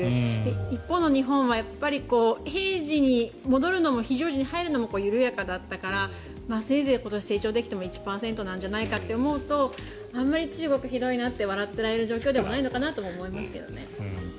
一方の日本は平時に戻るのも非常時に入るのも緩やかだったからせいぜい今年、成長できても１％なんじゃないかと思うとあまり中国、ひどいなと笑ってられる状況ではないとも思いますけど。